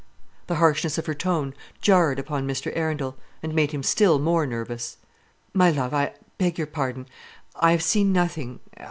The harshness of her tone jarred upon Mr. Arundel, and made him still more nervous. "My love, I beg your pardon, I have seen nothing.